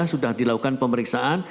sudah dilakukan pemeriksaan